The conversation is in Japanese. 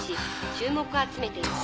注目を集めていました。